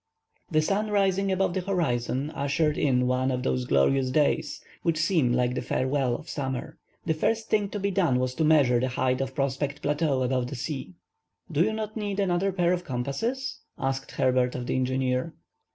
The sun rising above the horizon, ushered in one of those glorious days which seem like the farewell of summer. The first thing to be done was to measure the height of Prospect Plateau above the sea. "Do you not need another pair of compasses?" asked Herbert, of the engineer.